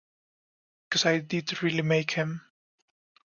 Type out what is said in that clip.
Because I did really make him.